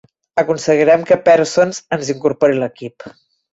Aconseguirem que Parsons ens incorpori a l'equip.